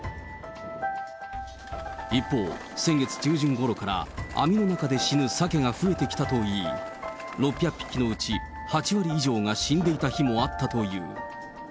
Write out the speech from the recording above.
一方、先月中旬ごろから、網の中で死ぬサケが増えてきたといい、６００匹のうち８割以上が死んでいた日もあったという。